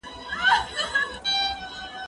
زه به کتابونه ليکلي وي،